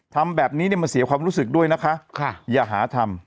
ทำแบบนี้มันเสียความรู้สึกด้วยนะคะอย่าหาทำ